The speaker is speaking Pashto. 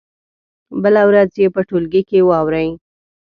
بله ورځ یې په ټولګي کې واوروئ.